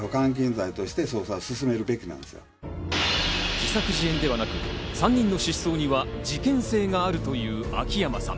自作自演ではなく３人の失踪には事件性があるという秋山さん。